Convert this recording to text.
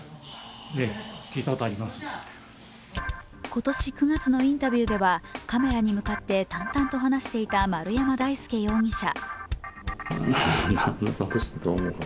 今年９月のインタビューではカメラに向かって淡々と話していた丸山大輔容疑者。